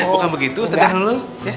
bukan begitu ustadz nisa